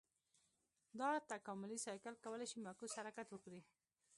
دا تکاملي سایکل کولای شي معکوس حرکت وکړي.